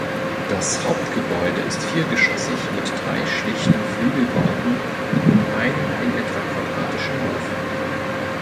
Das Hauptgebäude ist viergeschossig mit drei schlichten Flügelbauten um einen in etwa quadratischen Hof.